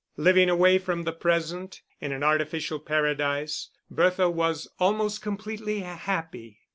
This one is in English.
Living away from the present, in an artificial paradise, Bertha was almost completely happy.